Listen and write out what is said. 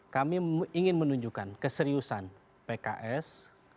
kami ingin menunjukkan keseriusan pks